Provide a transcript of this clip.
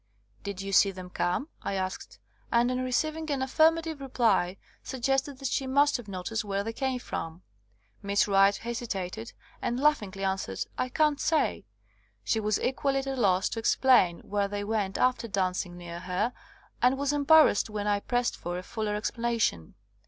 Did you see them come?" I asked; and on receiving an affirmative reply, suggested that she must have noticed where they came from. Miss Wright hesitated, and laughingly answered, "I can't say." She was equally at a loss to explain where they went after dancing near her, and was embarrassed when I pressed for a fuller explanation.